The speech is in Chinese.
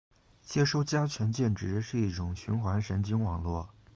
接收加权键值是一种循环神经网络